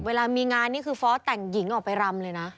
เวลามีงานนี่คือฟอสแต่งหญิงออกไปรำเลยนะ